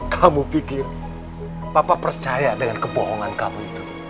kamu pikir papa percaya dengan kebohongan kamu itu